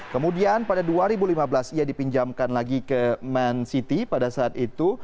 kemudian pada dua ribu lima belas ia dipinjamkan lagi ke man city pada saat itu